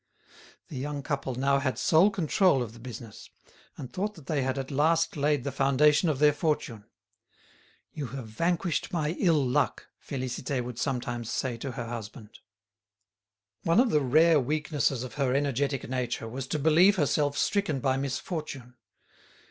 The young couple now had sole control of the business, and thought that they had at last laid the foundation of their fortune. "You have vanquished my ill luck," Félicité would sometimes say to her husband. One of the rare weaknesses of her energetic nature was to believe herself stricken by misfortune.